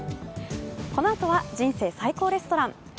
このあとは「人生最高レストラン」。